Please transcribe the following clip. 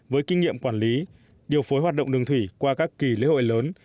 với kinh nghiệm quản lý điều phối hoạt động đường thủy qua các kỳ lễ hội lớn